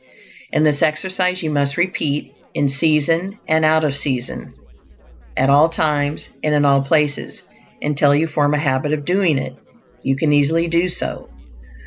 And this exercise you must repeat, in season and out of season, at all times and in all places, until you form a habit of doing it; you can easily do so.